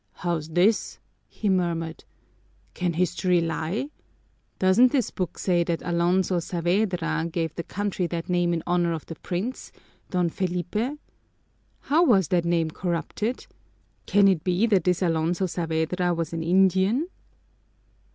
"How's this?" he murmured. "Can history lie? Doesn't this book say that Alonso Saavedra gave the country that name in honor of the prince, Don Felipe? How was that name corrupted? Can it be that this Alonso Saavedra was an Indian?"